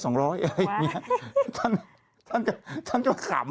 อะไรอย่างนี้ท่านก็ขำ